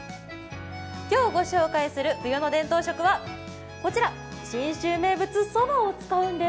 今日ご紹介する冬の伝統食は信州名物・そばを使うんです。